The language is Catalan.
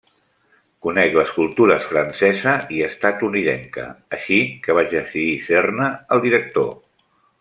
Conec les cultures francesa i estatunidenca, així que vaig decidir ser-ne el director.